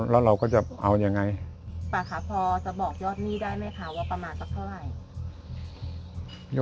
แล้วเราก็จะเอายังไงป่าค่ะพอจะบอกยอดหนี้ได้ไหมคะว่าประมาณสักเท่าไหร่